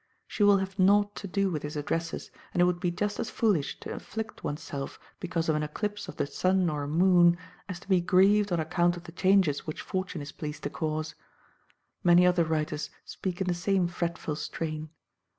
She will have nought to do with his addresses, and it would be just as foolish to afflict oneself because of an eclipse of the sun or moon, as to be grieved on account of the changes which Fortune is pleased to cause. Many other writers speak in the same fretful strain.